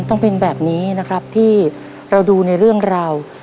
ต้องเป็นแบบนี้นะครับที่เราดูในเรื่องราว